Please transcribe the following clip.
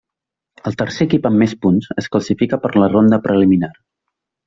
El tercer equip amb més punts es classifica per la ronda preliminar.